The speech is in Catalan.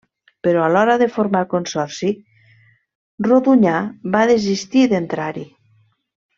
Però a l'hora de formar el consorci, Rodonyà va desistir d'entrar-hi.